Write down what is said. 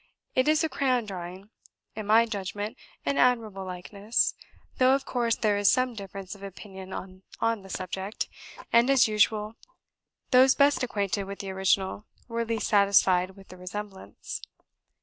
It is a crayon drawing; in my judgment an admirable likeness, though of course there is some difference of opinion on the subject; and, as usual, those best acquainted with the original were least satisfied with the resemblance.